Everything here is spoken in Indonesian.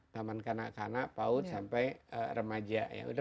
taman kanak kanak paut sampai remaja ya